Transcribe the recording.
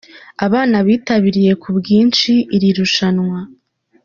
Abana bitabiriye ku bwinshi iri rushanwa.